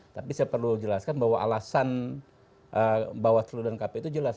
tapi saya perlu jelaskan bahwa alasan bawaslu dan kpu itu jelas